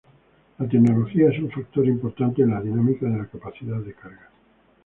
La tecnología es un factor importante en la dinámica de la capacidad de carga.